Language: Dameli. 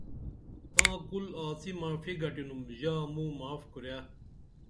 تاں کُل آڅی معافی گھٹِنُم ژا موں معاف کُرے